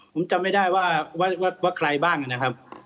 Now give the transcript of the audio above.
ผมจำไม่ได้ว่าใครบ้างนะครับ